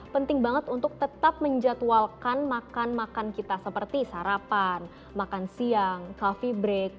penting banget untuk tetap menjatuhalkan makan makan kita seperti sarapan makan siang coffee break